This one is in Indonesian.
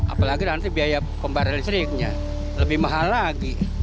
apalagi nanti biaya pembayaran listriknya lebih mahal lagi